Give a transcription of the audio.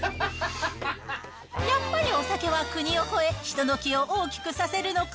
やっぱりお酒は国を越え、人の気を大きくさせるのか。